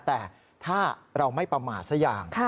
แต่ถ้าเราไม่ประมาทสักอย่าง